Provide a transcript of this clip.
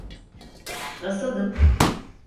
Nasıldım?